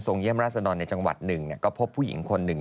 เยี่ยมราชดรในจังหวัดหนึ่งก็พบผู้หญิงคนหนึ่ง